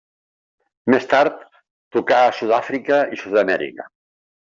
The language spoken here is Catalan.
Més tard, tocà a Sud-àfrica i Sud-amèrica.